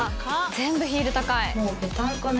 全部ヒール高い。